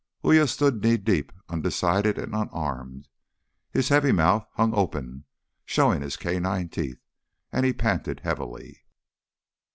Uya stood knee deep, undecided and unarmed. His heavy mouth hung open, showing his canine teeth, and he panted heavily.